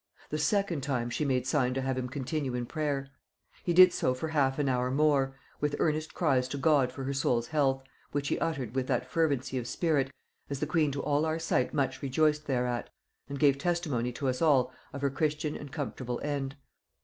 The second time she made sign to have him continue in prayer. He did so for half an hour more, with earnest cries to God for her soul's health, which he uttered with that fervency of spirit, as the queen to all our sight much rejoiced thereat, and gave testimony to us all of her christian and comfortable end.